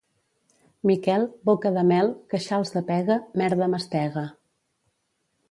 Miquel, boca de mel, queixals de pega, merda mastega.